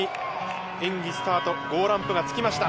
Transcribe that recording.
演技スタート、ゴーランプがつきました。